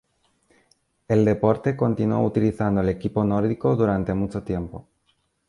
El deporte continuó utilizando el equipo nórdico durante mucho tiempo.